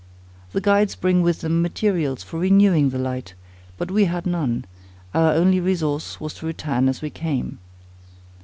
The guides bring with them materials for renewing the light, but we had none—our only resource was to return as we came.